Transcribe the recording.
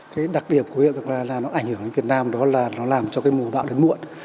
cái đặc điểm của hiện tượng la nina nó ảnh hưởng đến việt nam đó là nó làm cho mùa bão đến muộn